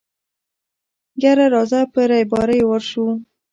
يره راځه په رېبارۍ ورشو.